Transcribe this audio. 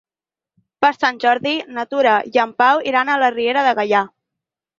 Per Sant Jordi na Tura i en Pau iran a la Riera de Gaià.